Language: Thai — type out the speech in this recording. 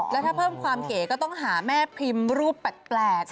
แล้วถ้าเพิ่มความเก๋ก็ต้องหาแม่พิมพ์รูปแปลก